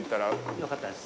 よかったです。